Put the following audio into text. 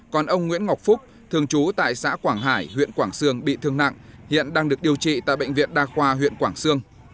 còn ông nguyễn ngọc phúc thường trú tại xã quảng hải huyện quảng sương bị thương nặng hiện đang được điều trị tại bệnh viện đa khoa huyện quảng sương